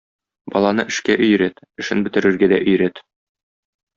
Баланы эшкә өйрәт, эшен бетерергә дә өйрәт.